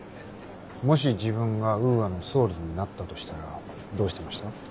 もし自分がウーアの総理になったとしたらどうしてました？